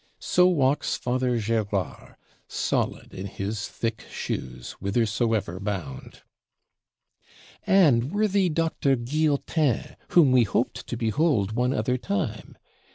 So walks Father Gérard, solid in his thick shoes, whithersoever bound. And worthy Doctor Guillotin, whom we hoped to behold one other time?